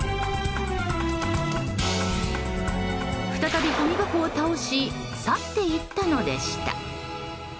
再び、ごみ箱を倒し去っていったのでした。